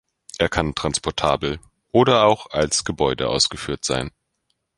Er kann transportabel oder auch als Gebäude ausgeführt sein.